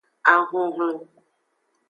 Ahonhlon.